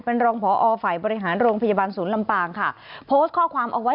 เป็นรองพอฝ่ายบริหารโรงพยาบาลศูนย์ลำปางค่ะโพสต์ข้อความเอาไว้